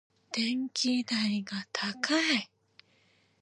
電気代が高い。